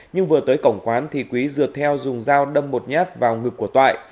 nhưng vừa tới cổng quán thì quý dựa theo dùng dao đâm một nhát vào ngực của toại